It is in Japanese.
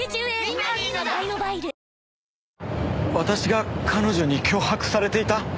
私が彼女に脅迫されていた？